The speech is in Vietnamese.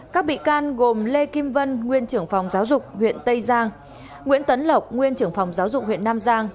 các bị can gồm lê kim vân nguyên trưởng phòng giáo dục huyện tây giang nguyễn tấn lộc nguyên trưởng phòng giáo dục huyện nam giang